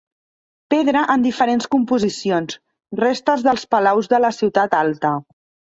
Pedra en diferents composicions, restes dels palaus de la ciutat alta.